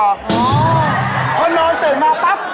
พอนอนตื่นมาปั๊บ